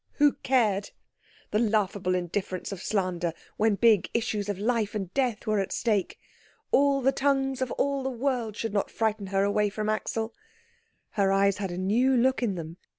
Who cared? The laughable indifference of slander, when big issues of life and death were at stake! All the tongues of all the world should not frighten her away from Axel. Her eyes had a new look in them.